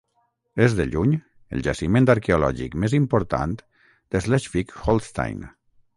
És de lluny el jaciment arqueològic més important de Schleswig-Holstein.